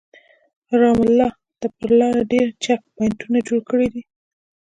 رام الله ته پر لاره ډېر چک پواینټونه جوړ کړي دي.